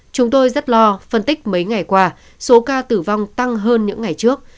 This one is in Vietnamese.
chúng tôi rất lo phân tích mấy ngày qua số ca tử vong tăng hơn những ngày trước